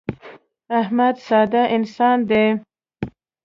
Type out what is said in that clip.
احمد ساده انسان دی.